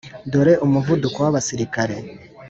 dore umuvuduko w'abasirikare;